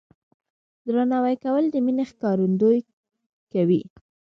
درناوی کول د مینې ښکارندویي کوي.